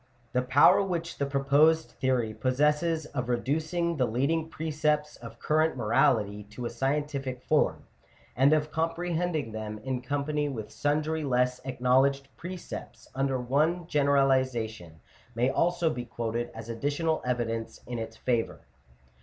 The power which the proposed theory possesses of reducing the leading preceptl of current morality to a scientific form, and of comprehending them, in company with sundry less acknowledged precepts, under one generalization, may also be quoted as additional evidence in its favour.